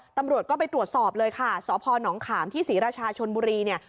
ตำรวจก็ไปตรวจสอบเลยค่ะสพนขามที่ศรีราชาชนบุรีเนี่ย